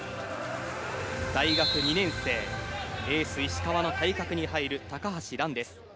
大学２年生、エース、石川の対角に入る高橋藍です。